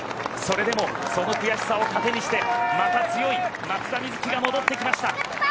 それでもその悔しさを糧にしてまた強い松田瑞生が戻ってきました。